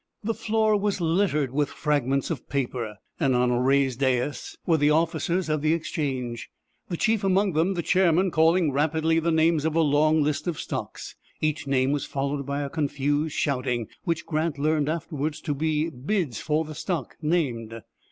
The floor was littered with fragments of paper, and on a raised dais were the officers of the Exchange, the chief among them, the chairman, calling rapidly the names of a long list of stocks. Each name was followed by a confused shouting, which Grant learned afterward to be bids for the stock named.